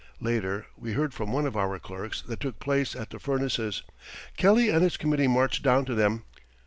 Later we heard from one of our clerks what took place at the furnaces. Kelly and his committee marched down to them.